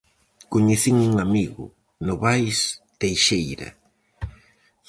Coñecín un amigo, Novais Teixeira.